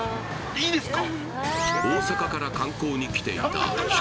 いいですか！？